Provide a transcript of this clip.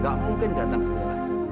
gak mungkin datang kesalahan